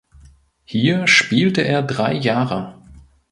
Hier spielte er drei Jahre.